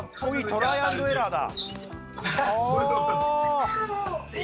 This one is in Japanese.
トライアンドエラーだ。